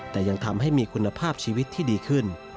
แต่ยังทำให้มีคุณภาพชีวิตที่ดีขึ้น